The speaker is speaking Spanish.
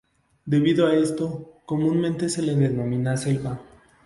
Debido a esto, comúnmente se le denomina selva.